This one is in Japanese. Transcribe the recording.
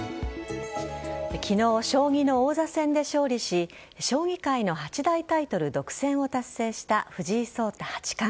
昨日、将棋の王座戦で勝利し将棋界の八大タイトル独占を達成した藤井聡太八冠。